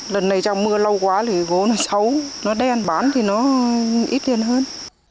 lần này trong mưa lâu quá thì gỗ nó xấu nó đen bán thì nó ít liền hơn